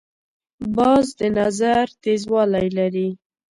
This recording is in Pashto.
باز د نظر تیزوالی لري